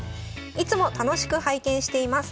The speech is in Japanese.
「いつも楽しく拝見しています。